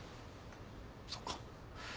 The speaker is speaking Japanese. そっか。